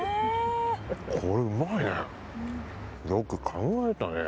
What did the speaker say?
これ、うまいね。